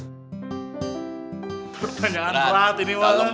jangan terlalu latih nih wanda